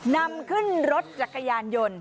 นำขึ้นรถจักรยานยนต์